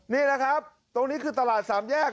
นี่นะครับตรงนี้คือตลาดสามแยก